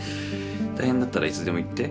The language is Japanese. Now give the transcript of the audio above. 大変だったらいつでも言って。